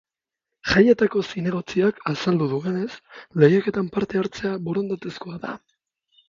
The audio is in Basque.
Jaietako zinegotziak azaldu duenez, lehiaketan parte hartzea borondatezkoa da.